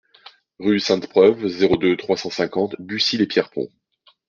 Rue Sainte-Preuve, zéro deux, trois cent cinquante Bucy-lès-Pierrepont